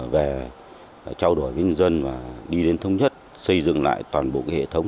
về trao đổi với nhân dân và đi đến thông nhất xây dựng lại toàn bộ hệ thống